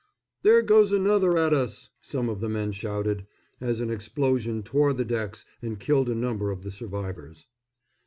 "There goes another at us!" some of the men shouted, as an explosion tore the decks and killed a number of the survivors.